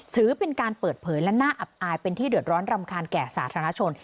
ถือเป็นการเปิดเผยและน่าอับอายเป็นที่เดือดร้อนรำคาญแก่สาธารณชน